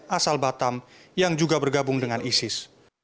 asal batam yang juga bergabung dengan isis